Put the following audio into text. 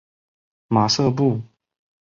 马瑟布。